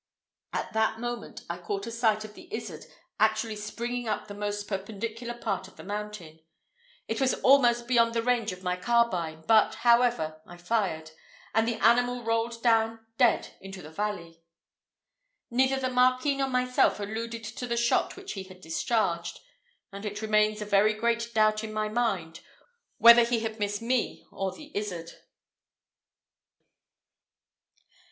At that moment I caught a sight of the izzard actually springing up the most perpendicular part of the mountain. It was almost beyond the range of my carbine, but, however, I fired, and the animal rolled down dead into the valley. Neither the Marquis nor myself alluded to the shot which he had discharged, and it remains a very great doubt in my mind whether he had missed me or the izzard.